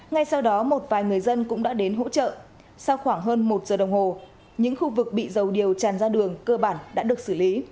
ngay sau đó một vài người dân cũng đã đến hỗ trợ sau khoảng hơn một giờ đồng hồ những khu vực bị dầu điều tràn ra đường cơ bản đã được xử lý